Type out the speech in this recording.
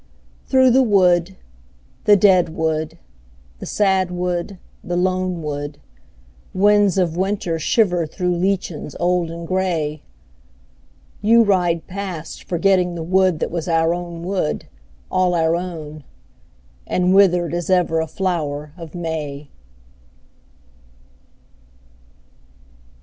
Through the wood, the dead wood, the sad wood, the lone wood, Winds of winter shiver through lichens old and grey, You ride past forgetting the wood that was our own wood, All our own and withered as ever a flower of May.